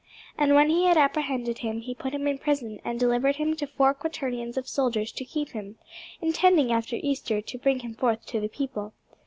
And when he had apprehended him, he put him in prison, and delivered him to four quaternions of soldiers to keep him; intending after Easter to bring him forth to the people.